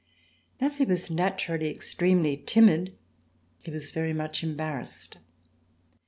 As he was naturally extremely timid, he was very much embarrassed.